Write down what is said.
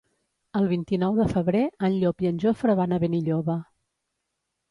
El vint-i-nou de febrer en Llop i en Jofre van a Benilloba.